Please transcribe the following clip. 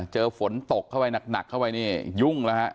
เจอฝนตกเข้าไว้หนักนี่ยุ่งแล้ว